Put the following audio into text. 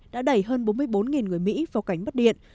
đã đẩy hơn bốn mươi bốn người mỹ vào cánh bắt điện